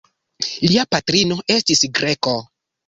Lia patrino estis greko.